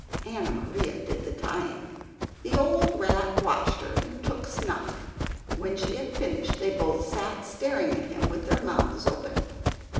Anna Maria did the tying. The old rat watched her and took snuff. When she had finished, they both sat staring at him with their mouths open.